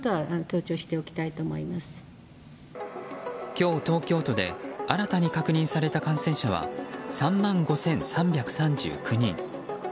今日、東京都で新たに確認された感染者は３万５３３９人。